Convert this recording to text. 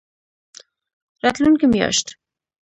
راتلونکې میاشت